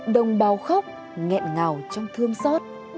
đồng bào khóc nghẹn ngào trong thương xót